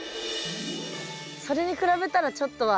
それに比べたらちょっとは。